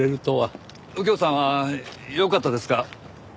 右京さんはよかったですか？